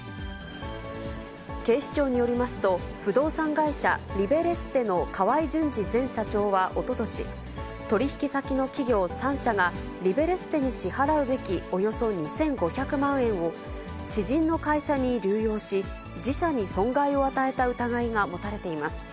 警視庁によりますと、不動産会社、リベレステの河合純二前社長はおととし、取り引き先の企業３社がリベレステに支払うべきおよそ２５００万円を、知人の会社に流用し、自社に損害を与えた疑いが持たれています。